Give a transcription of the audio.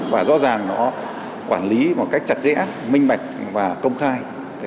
và rõ ràng nó quản lý một cách chặt rẽ minh mạch và công khai